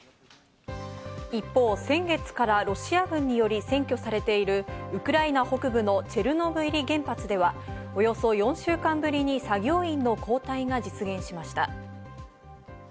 一方、先月からロシア軍により占拠されているウクライナ北部のチェルノブイリ原発では、およそ４週間ぶりに作業員の交代が実現しました。